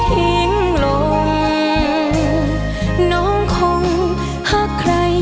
คะแนนจากคณะกำลังการอีก๒ท่าน